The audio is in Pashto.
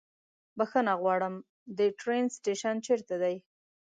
بښنه غواړم، د ټرين سټيشن چيرته ده؟